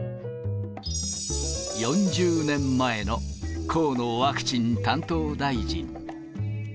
４０年前の河野ワクチン担当大臣。